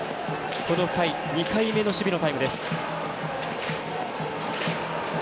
この回、２回目の守備のタイムです。